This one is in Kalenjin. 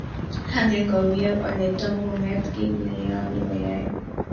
Angen komie ole Tom kongen kiit ne nyolu koyai.